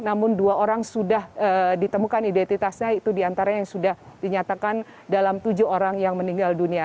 namun dua orang sudah ditemukan identitasnya itu diantara yang sudah dinyatakan dalam tujuh orang yang meninggal dunia